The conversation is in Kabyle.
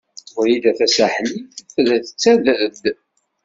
Wrida Tasaḥlit tella tettader-d.